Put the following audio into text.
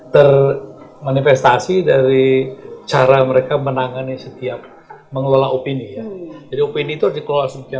termanifestasi dari cara mereka menangani setiap mengelola opini jadi opini itu dikelola sebetulnya